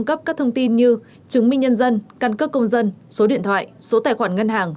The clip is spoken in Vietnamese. cung cấp các thông tin như chứng minh nhân dân căn cước công dân số điện thoại số tài khoản ngân hàng